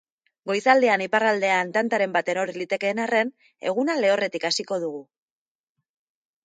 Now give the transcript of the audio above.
Goizaldean iparraldean tantaren bat eror litekeen arren, eguna lehorretik hasiko dugu.